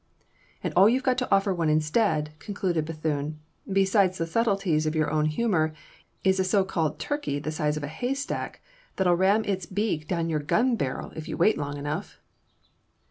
"And all you've got to offer one instead," concluded Bethune, "besides the subtleties of your own humour, is a so called turkey the size of a haystack, that'll ram its beak down your gun barrel if you wait long enough."